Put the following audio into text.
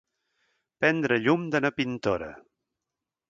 Prendre llum de na Pintora.